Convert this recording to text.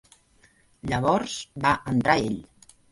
Llavors va entrar ell.